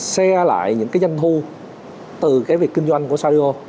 share lại những cái danh thu từ cái việc kinh doanh của soundio